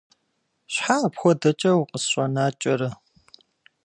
Щхьэ апхуэдэкӀэ укъысщӀэнакӀэрэ?